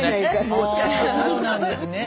そうなんですね。